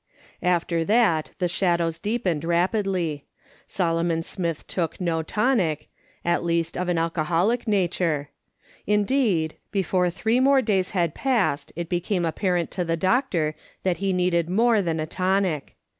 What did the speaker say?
After that the shadows deepened rapidly. Solo mon Smith took no tonic — at least of an alcoholic nature. Indeed, before three more days had passed it became apparent to the doctor that he needed more than a tonic.